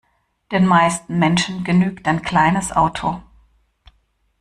Den meisten Menschen genügt ein kleines Auto.